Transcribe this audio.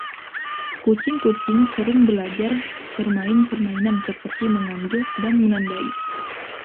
Kucing-kucing sering belajar bermain permainan seperti 'mengambil' dan 'menandai'.